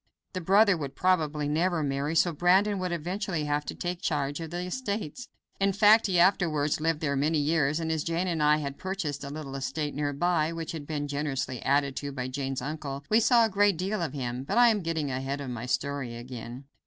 The brother would probably never marry, so Brandon would eventually have to take charge of the estates. In fact, he afterwards lived there many years, and as Jane and I had purchased a little estate near by, which had been generously added to by Jane's uncle, we saw a great deal of him. But I am getting ahead of my story again.